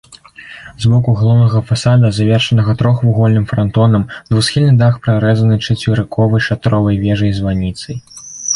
З боку галоўнага фасада, завершанага трохвугольным франтонам, двухсхільны дах прарэзаны чацверыковай шатровай вежай-званіцай.